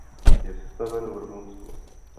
Je sestaven v Rumunsku.